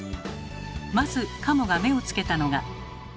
まず加茂が目をつけたのが。